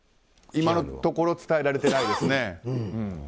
今のところ伝えられていないですね。